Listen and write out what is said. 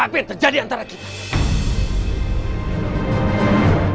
kamu udah maafin papa belum